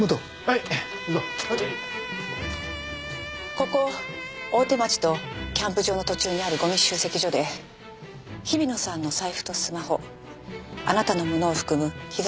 ここ大手町とキャンプ場の途中にあるゴミ集積所で日比野さんの財布とスマホあなたのものを含むひざ掛け４枚。